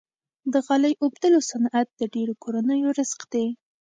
د غالۍ اوبدلو صنعت د ډیرو کورنیو رزق دی۔